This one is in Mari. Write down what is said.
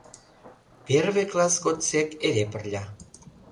Первый класс годсек эре пырля.